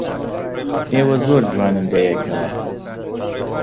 ئێوە زۆر جوانن بەیەکەوە.